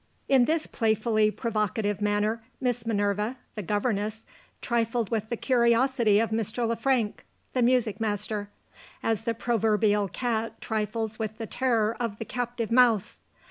In this playfully provocative manner, Miss Minerva (the governess) trifled with the curiosity of Mr. Le Frank (the music master), as the proverbial cat trifles with the terror of the captive mouse.